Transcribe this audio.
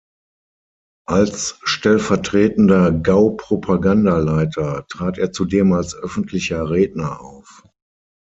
Als stellvertretender Gaupropagandaleiter trat er zudem als öffentlicher Redner auf.